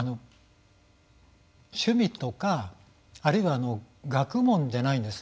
趣味とか、あるいは学問じゃないんです。